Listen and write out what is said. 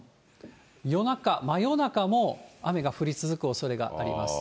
夜中、真夜中も雨が降り続くおそれがあります。